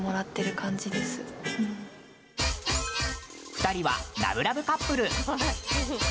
２人は、ラブラブカップル！